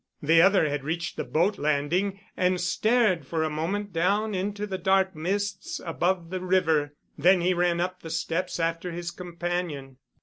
The other had reached the boat landing and stared for a moment down into the dark mists above the river. Then he ran up the steps after his companion.